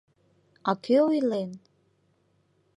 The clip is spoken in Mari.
— А кӧ ойлен?